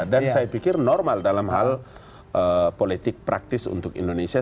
dan saya pikir normal dalam hal politik praktis untuk indonesia